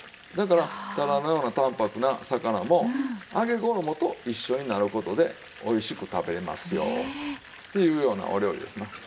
だからタラのような淡泊な魚も揚げ衣と一緒になる事でおいしく食べられますよっていうようなお料理ですね。